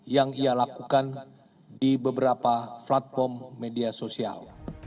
yang ia lakukan di beberapa platform media sosial